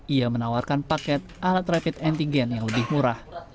ia menawarkan paket alat rapid antigen yang lebih murah